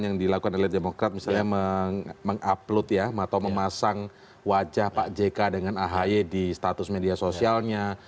yang dilakukan oleh demokrat misalnya mengupload ya atau memasang wajah pak jk dengan ahy di status media sosialnya